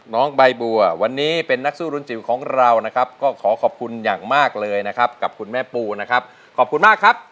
น้องใบบัววันนี้เป็นนักสู้รุ่นจิ๋วของเรานะครับก็ขอขอบคุณอย่างมากเลยนะครับกับคุณแม่ปูนะครับขอบคุณมากครับ